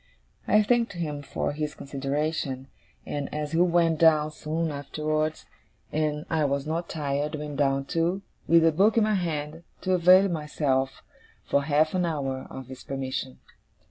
I thanked him for his consideration; and, as he went down soon afterwards, and I was not tired, went down too, with a book in my hand, to avail myself, for half an hour, of his permission.